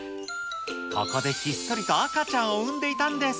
ここでひっそりと赤ちゃんを産んでいたんです。